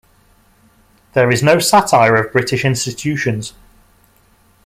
There is no satire of British institutions.